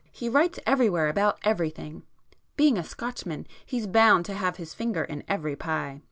He writes everywhere about everything,—being a Scotchman he's bound to have his finger in every pie.